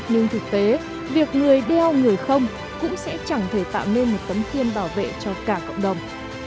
nhưng thực tế việc người đeo người không cũng sẽ chẳng thể tạo nên một tấm thiên bảo vệ cho cả cộng đồng